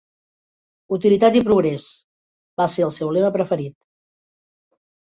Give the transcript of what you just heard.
"Utilitat i progrés" va ser el seu lema preferit.